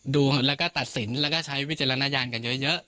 ดูแล้วก็ตัดสินแล้วก็ใช้วิจารณญาณกันเยอะ